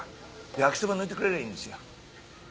焼きそば抜いてくれりゃいいんですよ。